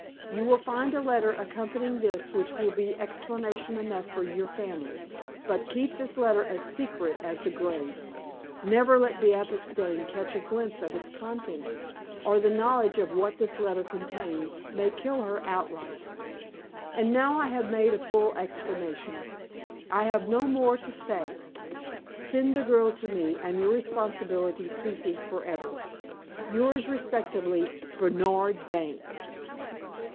You will find a letter accompanying this which will be explanation enough for your family; but keep this letter as secret as the grave. Never let Beatrix Dane catch a glimpse of its contents, or the knowledge of what this letter contains may kill her outright. And now I have made a full explanation, I have no more to say. Send the girl to me, and your responsibility ceases forever. "Yours respectfully, "BERNARD DANE."